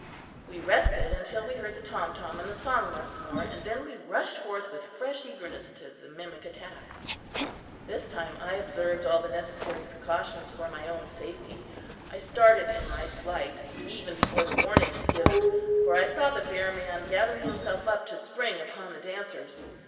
We rested until we heard the tom tom and the song once more, and then we rushed forth with fresh eagerness to the mimic attack. This time I observed all necessary precautions for my own safety. I started in my flight even before the warning was given, for I saw the bear man gathering himself up to spring upon the dancers.